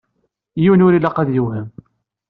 Yiwen ur ilaq ad yewhem.